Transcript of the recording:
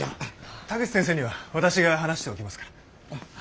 田口先生には私が話しておきますから。